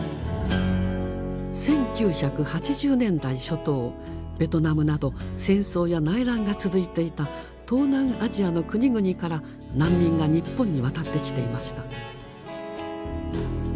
１９８０年代初頭ベトナムなど戦争や内乱が続いていた東南アジアの国々から難民が日本に渡ってきていました。